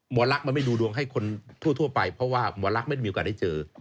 หมอลักษณ์มันไม่ดูดวงให้คนทั่วไปเพราะว่าหมอลักษณ์ไม่มีโอกาสได้เจอ